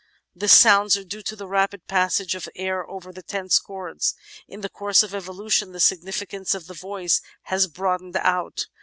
The sounds are due to the rapid passage of the air over the tense cords. In the course of evolution the signifi cance of the voice has broadened out.